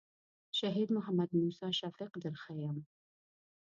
شهید محمد موسی شفیق در ښیم.